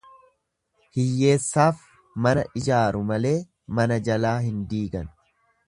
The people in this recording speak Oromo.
Hiyyeessaaf mana ijaaru malee mana jalaa hin diigan.